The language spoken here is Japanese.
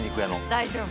大丈夫！